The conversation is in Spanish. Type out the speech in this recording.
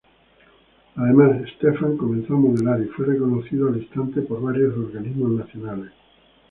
Además, Stefan comenzó a modelar y fue reconocido al instante por varios organismos nacionales.